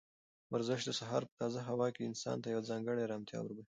ورزش د سهار په تازه هوا کې انسان ته یوه ځانګړې ارامتیا وربښي.